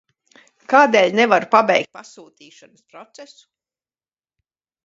Kādēļ nevaru pabeigt pasūtīšanas procesu?